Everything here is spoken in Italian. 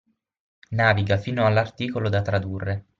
Naviga fino all'articolo da tradurre.